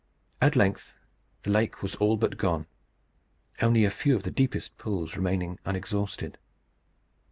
At length the lake was all but gone, only a few of the deepest pools remaining unexhausted.